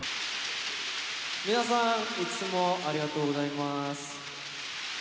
皆さん、いつもありがとうございます。